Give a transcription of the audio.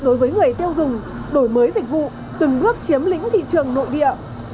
đối với người tiêu dùng đổi mới dịch vụ từng bước chiếm lĩnh thị trường nội địa